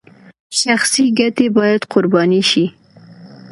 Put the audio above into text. شخصي ګټې باید قرباني شي